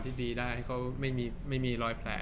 ที่ดีได้เขาไม่มีรอยแผล